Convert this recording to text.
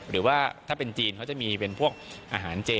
หรือว่าถ้าเป็นจีนเขาจะมีเป็นพวกอาหารเจ